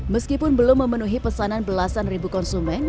meskipun belum memenuhi pesanan belasan ribu konsumen